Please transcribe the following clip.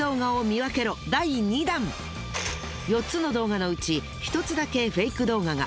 ４つの動画のうち１つだけフェイク動画が。